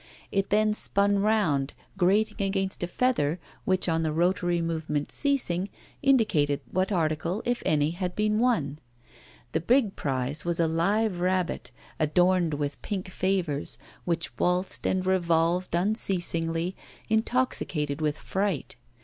It then spun round, grating against a feather, which, on the rotatory movement ceasing, indicated what article, if any, had been won. The big prize was a live rabbit, adorned with pink favours, which waltzed and revolved unceasingly, intoxicated with fright.